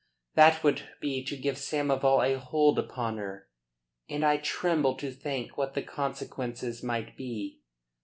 That would be to give Samoval a hold upon her; and I tremble to think what the consequences might be.